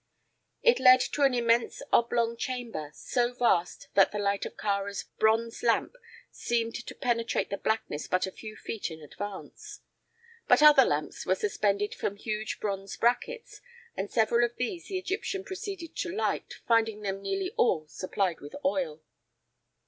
It led into an immense oblong chamber, so vast that the light of Kāra's bronze lamp seemed to penetrate the blackness but a few feet in advance. But other lamps were suspended from huge bronze brackets, and several of these the Egyptian proceeded to light, finding them nearly all supplied with oil.